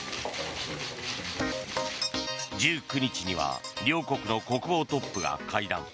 １９日には両国の国防トップが会談。